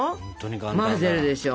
混ぜるでしょ。